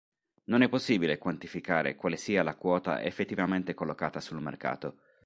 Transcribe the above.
Non è possibile quantificare quale sia la quota effettivamente collocata sul mercato.